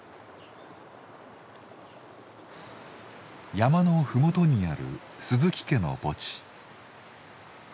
山の麓にある鈴木家の墓地。